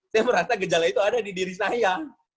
saya merasa gejala itu ada di diri saya